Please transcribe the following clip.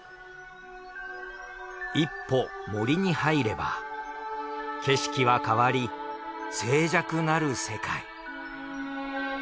一歩森に入れば景色は変わり静寂なる世界。